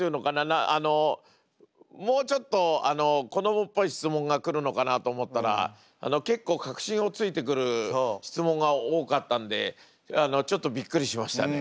もうちょっと子どもっぽい質問が来るのかなと思ったら結構核心を突いてくる質問が多かったんでちょっとびっくりしましたね。